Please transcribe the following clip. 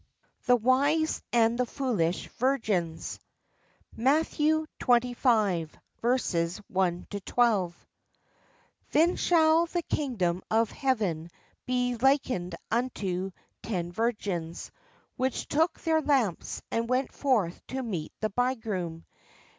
THE WISE AND THE FOOLISH VIRGINS MATT, xxv., 1 12 THE WISE AND THE FOOLISH VIRGINS HEN shall the kingdom of heaven be lik ened unto ten virgins, which took their lamps, and went forth to meet the bridegroom.